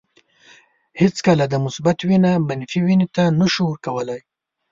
هیڅکله د مثبت وینه منفي وینې ته نشو ورکولای.